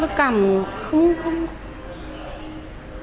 lúc cảm không hình dung được